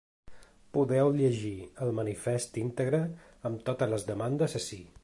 Podeu llegir el manifest íntegre amb totes les demandes ací.